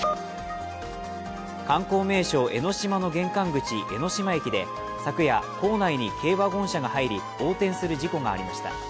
観光名所、江の島の玄関口、江ノ島駅で昨夜、構内に軽ワゴン車が入り横転する事故がありました。